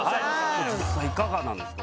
実際いかがなんですか？